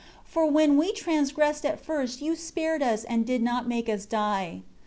For when we transgress at first You spared us and did not make us die.